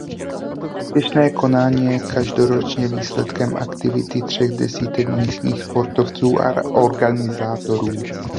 Úspěšné konání je každoročně výsledkem aktivity třech desítek místních sportovců a organizátorů.